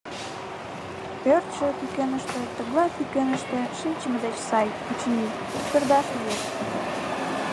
Пӧрдшӧ пӱкеныште тыглай пӱкеныште шинчыме деч сай, очыни, — пӧрдаш лиеш.